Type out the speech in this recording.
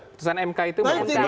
putusan mk itu mengatakan